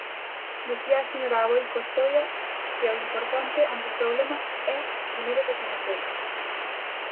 Dicía a señora Aboi Costoia que o importante, ante os problemas, é, primeiro, recoñecelos.